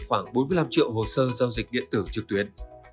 khoảng bốn mươi năm triệu hồ sơ giao dịch điện tử trực tuyến